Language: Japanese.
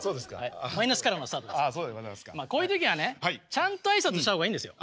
まあこういう時はねちゃんと挨拶した方がいいんですよ。